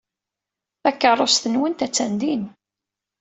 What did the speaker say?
Takeṛṛust-nwent attan din.